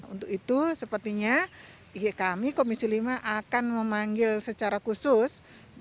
untuk itu sepertinya kami komisi lima akan memanggil secara khusus